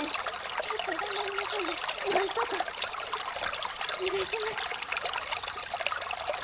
精いっぱい頑張りますんでなんとか。お願いします。